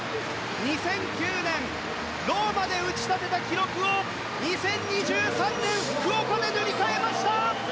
２００９年ローマで打ち立てた記録を２０２３年福岡で塗り替えました！